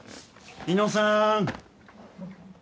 猪野さん。